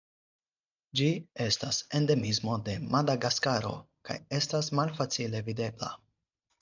Ĝi estas endemismo de Madagaskaro, kaj estas malfacile videbla.